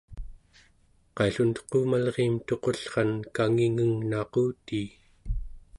qaillun tuqumalriim tuqullran kangingengnaqutii